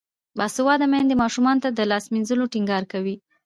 باسواده میندې ماشومانو ته د لاس مینځلو ټینګار کوي.